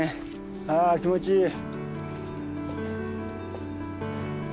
あ気持ちいい。